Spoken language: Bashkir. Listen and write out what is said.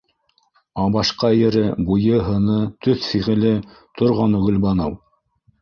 Ә башҡа ере, буй-һыны, төҫ-фиғеле - торғаны Гөлбаныу.